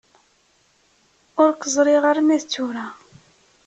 Ur k-ẓriɣ armi d tura.